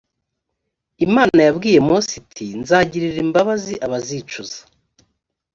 imana yabwiye mose iti “nzagirira imbabazi abazicuza”